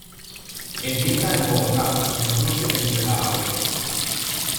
Empieza en Bogotá en el cruce entre la Av.